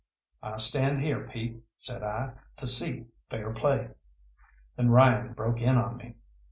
"I stand here, Pete," said I, "to see fair play." Then Ryan broke in on me.